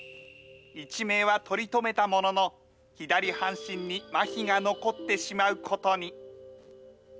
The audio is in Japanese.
一命は取り留めたものの、左半身にまひが残ってしまうことに。